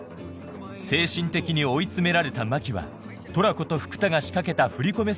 精神的に追い詰められた真希はトラコと福多が仕掛けた振り込め